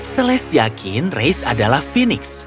celeste yakin reis adalah fenix